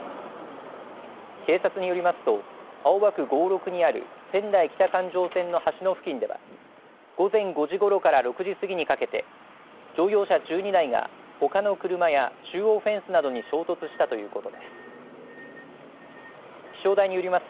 警察によりますと青葉区郷六にある仙台北環状線の橋の付近では午前５時ごろから６時過ぎにかけて乗用車１２台がほかの車や中央フェンスなどに衝突したということです。